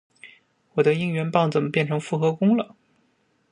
我的应援棒怎么变成复合弓了？